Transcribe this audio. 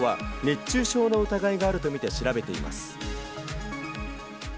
警視庁は、熱中症の疑いがあると見て調べています。